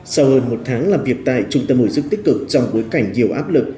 sau hơn một tháng làm việc tại trung tâm hồi sức tích cực trong bối cảnh nhiều áp lực